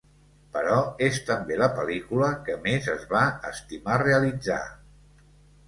Però és també la pel·lícula que més es va estimar realitzar.